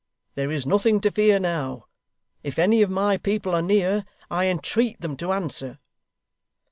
There is nothing to fear now. If any of my people are near, I entreat them to answer!